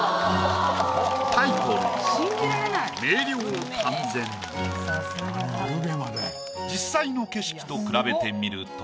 タイトル実際の景色と比べてみると。